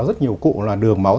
rất nhiều cụ là đường máu